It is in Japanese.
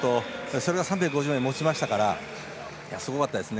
それが３５０まで持ちましたからすごかったです。